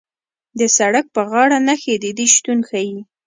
د سړک په غاړه نښې د دې شتون ښیي